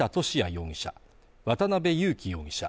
容疑者渡辺優樹容疑者